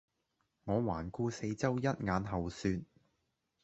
我環顧四周一眼後說